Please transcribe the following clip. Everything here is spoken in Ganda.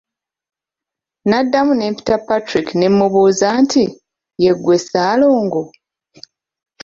Nnaddamu ne mpita Patrick ne mmubuuza nti, "ye ggwe Ssaalongo?"